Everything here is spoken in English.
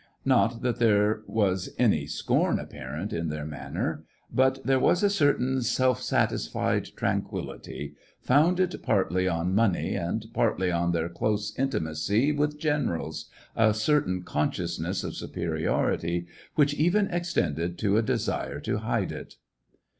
Not that there was any scorn apparent in their manner, but there was a certain self satisfied tran quillity, founded partly on money and partly on their close intimacy with generals, a certain con sciousness of superiority which even extended to a desire to hide it.